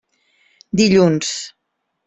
Dilluns.